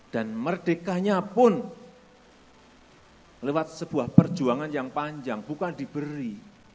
dan merdekanya pun lewat sebuah perjuangan yang panjang bukan diberi